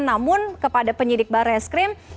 namun kepada penyidik barreskrim